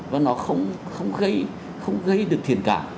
và nó không gây được thiền cảm